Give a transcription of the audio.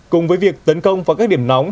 cùng với việc tấn công vào các điểm nóng